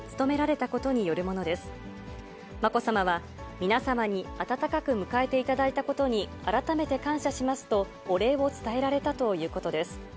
まこさまは、皆様に温かく迎えていただいたことに改めて感謝しますと、お礼を伝えられたということです。